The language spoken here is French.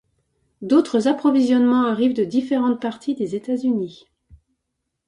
D'autres approvisionnements arrivent de différentes parties des États-Unis.